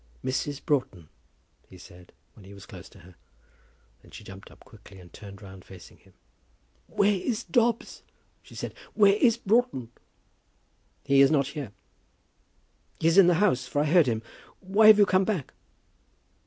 "Mrs. Broughton," he said, when he was close to her. Then she jumped up quickly, and turned round, facing him. "Where is Dobbs?" she said. "Where is Broughton?" "He is not here." "He is in the house, for I heard him. Why have you come back?"